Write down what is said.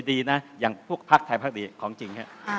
ไอ้พวกภักดิ์ของจริง